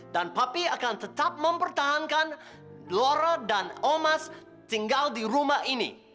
dan papi akan tetap mempertahankan laura dan omas tinggal di rumah ini